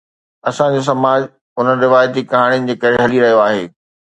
اسان جو سماج انهن روايتي ڪهاڻين جي ڪري هلي رهيو آهي